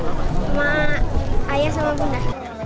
sama ayah sama benda